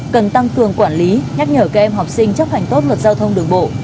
cần tăng cường quản lý nhắc nhở các em học sinh chấp hành tốt luật giao thông đường bộ